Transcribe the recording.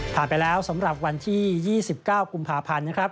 ไปแล้วสำหรับวันที่๒๙กุมภาพันธ์นะครับ